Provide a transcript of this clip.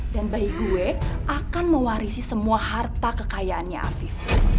dan bayi gue akan mewarisi semua harta kekayaannya afif